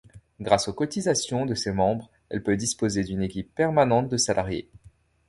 Grâce aux cotisations de ses membres, elle peut disposer d'une équipe permanente de salariés.